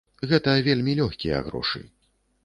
Гэта вельмі лёгкія грошы.